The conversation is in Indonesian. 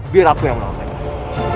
biar aku yang melawankan rasa